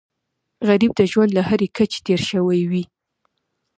غریب د ژوند له هرې کچې تېر شوی وي